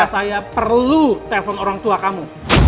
apa saya perlu telepon orang tua kamu